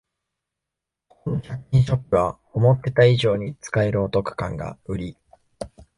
ここの百均ショップは思ってた以上に使えるお得感がウリ